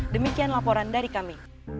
demikian laporan dari kami